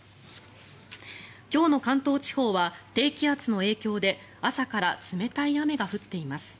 今日の関東地方は低気圧の影響で朝から冷たい雨が降っています。